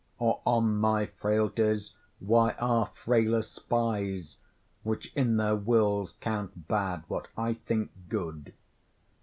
Or on my frailties why are frailer spies, Which in their wills count bad what I think good?